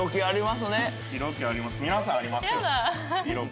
皆さんありますよ色気。